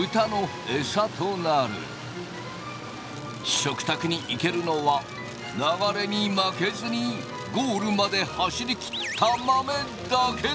食卓に行けるのは流れに負けずにゴールまで走り切った豆だけだ。